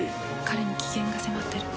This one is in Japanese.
彼に危険が迫ってる。